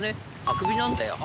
あくびなんだよ。